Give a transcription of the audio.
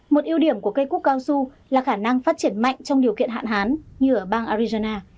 một ưu điểm của cây cúc cao su là khả năng phát triển mạnh trong điều kiện hạn hán như ở bang arizona